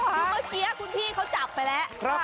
คือเมื่อกี้คุณพี่เขาจับไปแล้ว